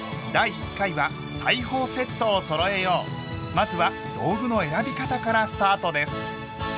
まずは道具の選び方からスタートです。